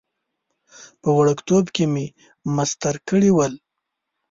په وړکتوب کې مې مسطر کړي ول.